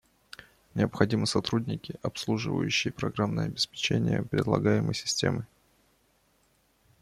Необходимы сотрудники, обслуживающие программное обеспечение предлагаемой системы